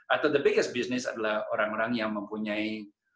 atau the biggest business adalah orang orang yang mempunyai